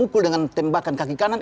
pukul dengan tembakan kaki kanan